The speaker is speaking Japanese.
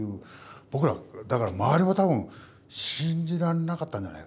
ぼくらだから周りは多分信じらんなかったんじゃないかなぁ。